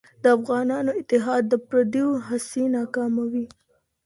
د افغانانو اتحاد د پرديو هڅې ناکاموي.